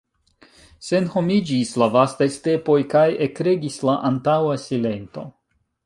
Senhomiĝis la vastaj stepoj, kaj ekregis la antaŭa silento.